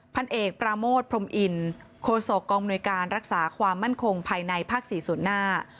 พันเอกปราโมทพรมอินโคศกองมนุยการรักษาความมั่นคงภายในภาค๔ส่วนหน้า